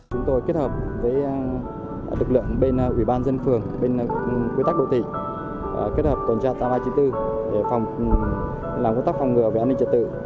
chúng tôi kết hợp với lực lượng bên ủy ban dân phường bên quy tắc đô thị kết hợp tuần tra ba nghìn ba trăm chín mươi bốn để làm quốc tắc phòng ngừa về an ninh trật tự